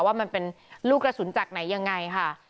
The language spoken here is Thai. ว่ามันเป็นลูกกระสุนจากไหนยังไงค่ะ